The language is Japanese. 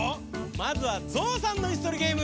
まずはゾウさんのいすとりゲーム。